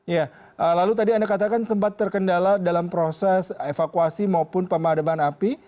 ya lalu tadi anda katakan sempat terkendala dalam proses evakuasi maupun pemadaman api